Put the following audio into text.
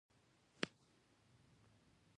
لمریز ځواک د افغان تاریخ په کتابونو کې ذکر شوی دي.